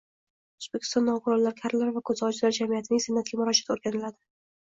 O‘zbekiston nogironlar, karlar va ko‘zi ojizlar jamiyatlarining Senatga murojaati o‘rganildi